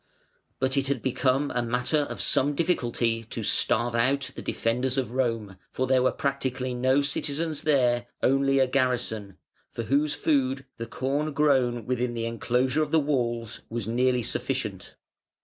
But it had become a matter of some difficulty to starve out the defenders of Rome, for there were practically no citizens there, only a garrison, for whose food the corn grown within the enclosure of the walls was nearly sufficient.